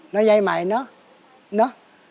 เนอะยายใหม่เนอะ